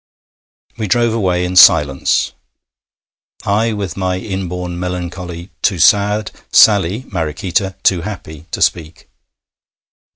We drove away in silence I with my inborn melancholy too sad, Sally (Mariquita) too happy to speak.